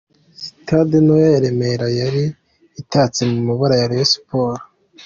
Sitade nto ya Remera yari itatse mu mabara ya Rayon Sports.